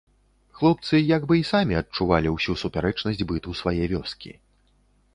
Хлопцы як бы і самі адчувалі ўсю супярэчнасць быту свае вёскі.